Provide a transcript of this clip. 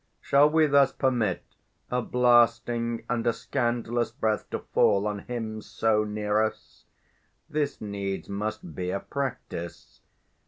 Shall we thus permit A blasting and a scandalous breath to fall On him so near us? This needs must be a practice.